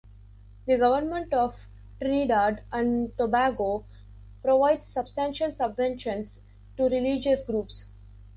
The Government of Trinidad and Tobago provides substantial subventions to religious groups.